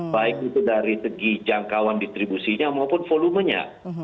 baik itu dari segi jangkauan distribusinya maupun volumenya